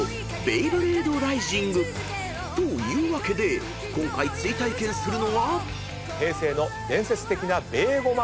［というわけで今回追体験するのは］イェイ！